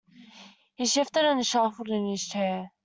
He shifted and shuffled in his chair.